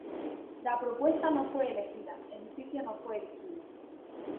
La propuesta no fue elegida, edificio no fue erigido.